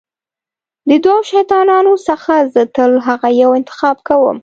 د دوو شیطانانو څخه زه تل هغه یو انتخاب کوم.